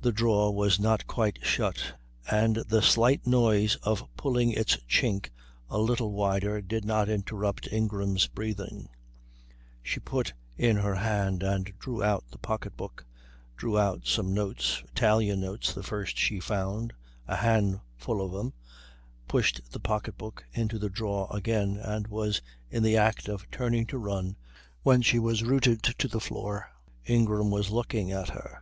The drawer was not quite shut, and the slight noise of pulling its chink a little wider did not interrupt Ingrain's breathing. She put in her hand and drew out the pocket book, drew out some notes Italian notes, the first she found, a handful of them pushed the pocket book into the drawer again, and was in the act of turning to run when she was rooted to the floor. Ingram was looking at her.